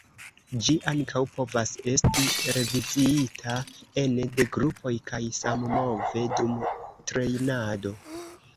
Ĝi ankaŭ povas esti reviziita ene de grupoj kaj sammove dum trejnado.